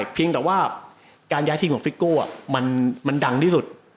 เพียงแต่ว่าการย้ายทีมของฟิโก้มันดังที่สุด